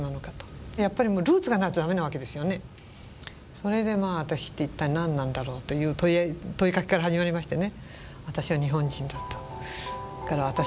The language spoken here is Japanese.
それで「私って一体何なんだろう」という問いかけから始まりましてね。